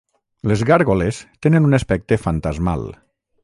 Les gàrgoles tenen un aspecte fantasmal.